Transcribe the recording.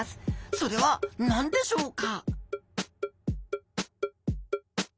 それは何でしょうか？